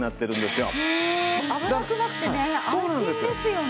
危なくなくてね安心ですよね。